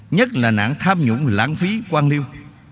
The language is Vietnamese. nhất là nạn tham nhũng lãng phí quan liêu